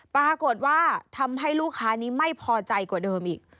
ปรากฏว่าทำให้ลูกค้านี้ไม่พอใจกว่าเดิมอีก